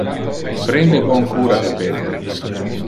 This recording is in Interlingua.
Prende bon cura de Peter.